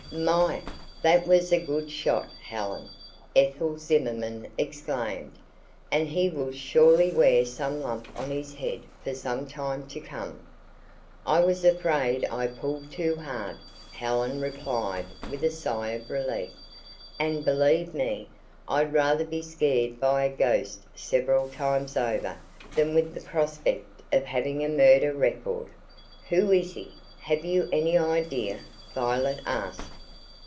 "My! that was a good shot, Helen," Ethel Zimmerman exclaimed. "And he will surely wear some lump on his head for some time to come." "I was afraid I pulled too hard," Helen replied with a sigh of relief; "and, believe me, I'd rather be scared by a ghost several times over than with the prospect of having a murder record." "Who is he? have you any idea?" Violet asked.